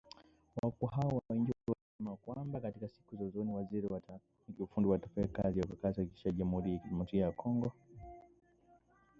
Wakuu hao wa nchi wamesema kwamba katika siku za usoni, mawaziri na wataalamu wa kiufundi watafanya kazi kwa kasi kuhakikisha jamuhuri ya kidemokrasia ya Kongo